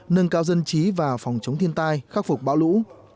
nâng cao dân trí và phòng chống thiên tai khắc phục bão lũ